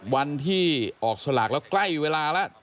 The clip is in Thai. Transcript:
วันที่ออกสลากแล้วใกล้เวลาแล้ว